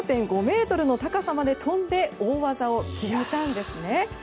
５．５ｍの高さまで跳んで大技を決めたんです。